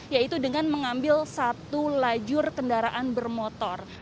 yaitu dengan mengambil satu lajur kendaraan bermotor